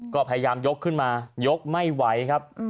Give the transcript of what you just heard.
ก็พยายามยกขึ้นมายกไม่ไหวครับ